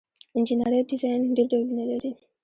انجنیری ډیزاین ډیر ډولونه لري.